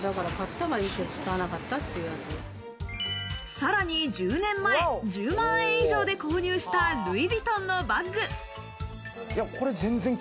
さらに１０年前、１０万円以上で購入したルイ・ヴィトンのバッグ。